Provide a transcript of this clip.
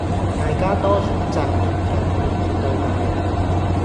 大家多選擇勇敢去面對吧！